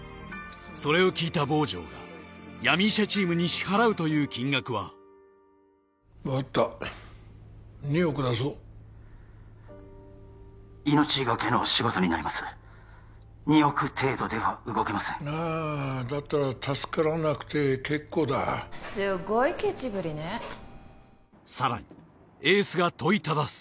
それを聞いた坊城が闇医者チームに支払うという金額は分かった２億出そう命懸けの仕事になります２億程度では動けませんあだったら助からなくて結構だすっごいケチぶりね更にエースが問いただす